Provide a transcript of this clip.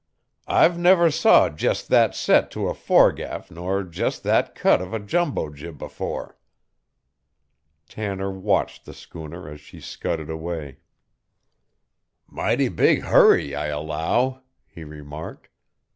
I've never saw jest that set to a foregaff nor jest that cut of a jumbo jib afore." Tanner watched the schooner as she scudded away. "Mighty big hurry, I allow," he remarked.